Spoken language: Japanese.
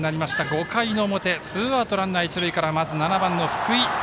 ５回の表、ツーアウト、ランナー一塁からまず７番の福井。